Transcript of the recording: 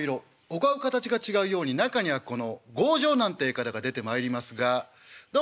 お顔形が違うように中にはこの強情なんて方が出てまいりますが。